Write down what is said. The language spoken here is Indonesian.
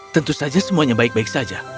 tentu saja semuanya baik baik saja